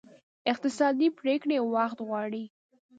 اقتصادي پرېکړې وخت غواړي.